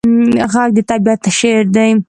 غږ د طبیعت شعر دی